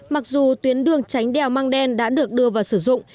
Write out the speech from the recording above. mặc dù tuyến đường tránh đèo mang đen đã được đưa vào sử dụng